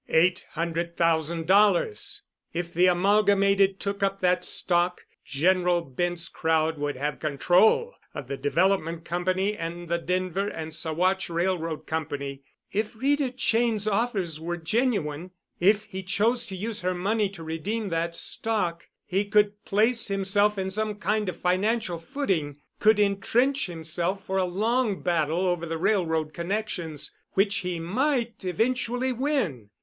Eight hundred thousand dollars! If the Amalgamated took up that stock, General Bent's crowd would have control of the Development Company and the Denver and Saguache Railroad Company. If Rita Cheyne's offers were genuine—if he chose to use her money to redeem that stock—he could place himself on some kind of financial footing, could entrench himself for a long battle over the railroad connections, which he might eventually win.